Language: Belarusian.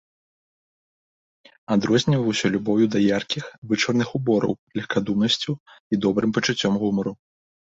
Адрозніваўся любоўю да яркіх, вычварных убораў, легкадумнасцю і добрым пачуццём гумару.